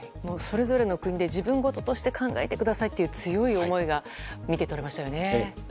それぞれの国で自分ごととして考えてくださいっていう強い思いが見て取れましたよね。